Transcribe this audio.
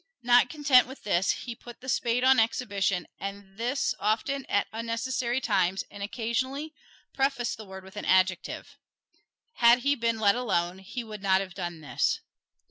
Not content with this, he put the spade on exhibition and this often at unnecessary times, and occasionally prefaced the word with an adjective. Had he been let alone he would not have done this.